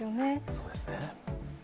そうですね。